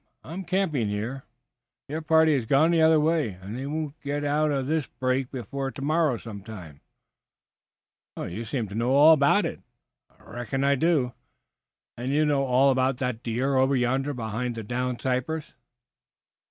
I am camping here. Your party has gone the other way and they won't get out to this brake before tomorrow some time." "You seem to know all about it." "I reckon I do." "And you know all about that deer over yonder behind the down cypress?"